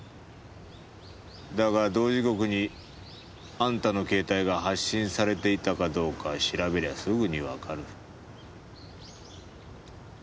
だが同時刻にあんたの携帯が発信されていたかどうか調べりゃすぐにわかる。